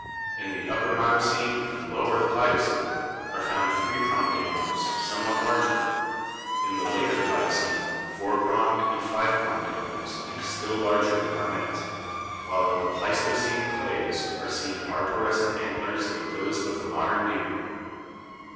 In the tipper Miocene and lower Pliocene are found three pronged antlers somewhat larger. In the later Pliocene four pronged and five pronged antlers and still larger are met, while in the Pleistocene clays are seen arborescent antlers like those of the modern deer.